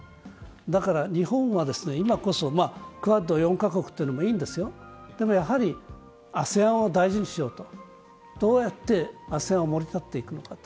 だから日本は今こそ、クアッド４カ国というのもいいんですがでもやはりＡＳＥＡＮを大事にしようとどうやってＡＳＥＡＮを盛り立てていくのかと。